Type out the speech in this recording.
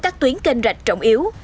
các tuyến kênh rạch trọng yếu